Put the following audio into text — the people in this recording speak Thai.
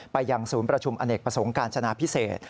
ไปยังศูนย์ประชุมอเนกประสงค์การจนาพิเศษ